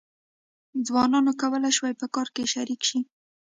ځوانانو کولای شول په کار کې شریک شي.